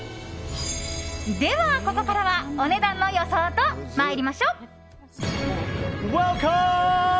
では、ここからはお値段の予想と参りましょう。